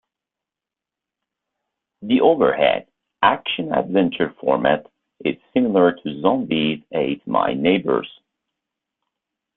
The overhead, action-adventure format is similar to "Zombies Ate My Neighbors".